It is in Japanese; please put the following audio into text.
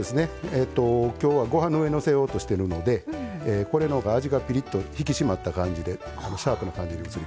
ご飯の上にのせようとしているのでこれのが味がピリッと引き締まった感じでシャープな感じに。